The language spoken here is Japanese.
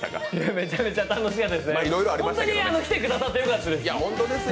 めちゃめちゃ楽しかったです。